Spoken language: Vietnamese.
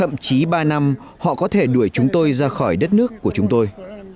thậm chí ba năm họ có thể đuổi chúng tôi ra khỏi đất nước của chúng tôi